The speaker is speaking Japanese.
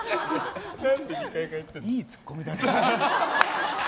いいツッコミだね。